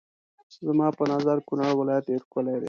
زما په نظر کونړ ولايت ډېر ښکلی دی.